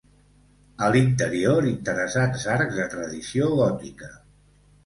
A l'interior, interessants arcs de tradició gòtica.